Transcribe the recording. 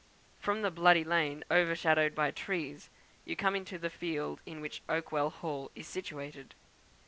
From the "Bloody Lane," overshadowed by trees, you come into the field in which Oakwell Hall is situated.